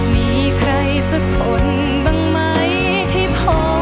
มีใครสักคนบ้างไหมที่พอ